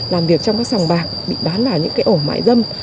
làm việc trong các sòng bạc bị bán vào những cái ổ mãi dâm